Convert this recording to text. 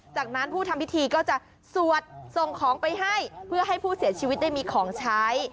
จากนั้นผู้ทำพิธีก็จะสวดส่งของไปให้เพื่อให้ผู้เสียชีวิตได้มีของใช้